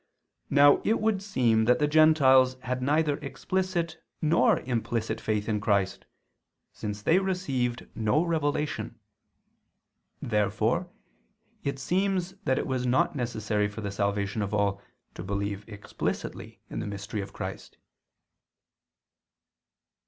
Now it would seem that the gentiles had neither explicit nor implicit faith in Christ, since they received no revelation. Therefore it seems that it was not necessary for the salvation of all to believe explicitly in the mystery of Christ.